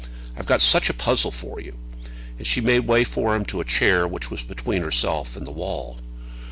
I've got such a puzzle for you." And she made way for him to a chair which was between herself and the wall.